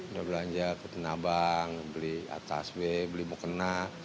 udah belanja ke tenabang beli atas b beli bukena